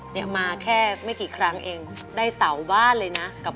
เนี่ยมาแค่ไม่กี่ครั้งเองได้เสาบ้านเลยนะ